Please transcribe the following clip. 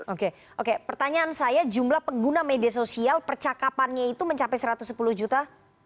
oke oke pertanyaan saya jumlah pengguna media sosial percakapannya itu mencapai satu ratus sepuluh juta